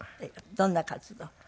どんな活動？